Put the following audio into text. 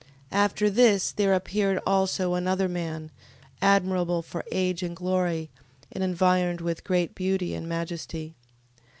After this there appeared also another man, admirable for age, and glory, and environed with great beauty and majesty: 15:14.